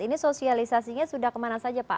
ini sosialisasinya sudah kemana saja pak